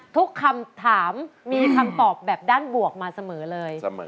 ทุกคำถามมีคำตอบแบบด้านบวกมาเสมอเลย